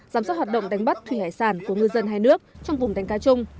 giám sát hoạt động đánh bắt thủy hải sản của ngư dân hai nước trong vùng đánh cá chung